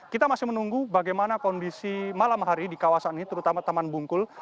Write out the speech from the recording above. kita masih menunggu bagaimana kondisi malam hari di kawasan ini terutama taman bungkul